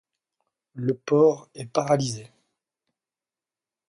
Le port est paralysé.